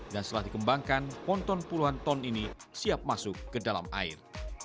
dan setelah dikembangkan ponton puluhan ton ini siap masuk ke dalam air